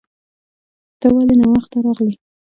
ته ولې ناوخته راغلې